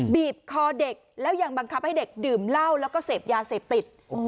บีบคอเด็กแล้วยังบังคับให้เด็กดื่มเหล้าแล้วก็เสพยาเสพติด